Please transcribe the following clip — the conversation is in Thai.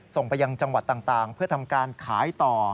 ส่งไปยังจังหวัดต่างเพื่อทำการขายต่อ